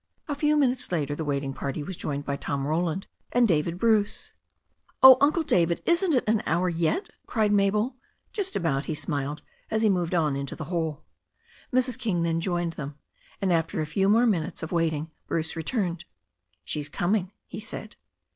A few minutes later the waiting party was joined by Tom Roland and David Bruce. "Oh, Uncle David, isn't it an hour yet?" cried MabeL "Just about," he smiled, as he moved on into the hall. Mrs. King then joined them, and after a few more min utes of waiting Bruce returned. "She's coming," he said.